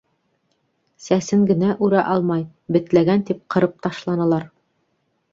Сәсен генә үрә алмай: бетләгән тип, ҡырып ташланылар.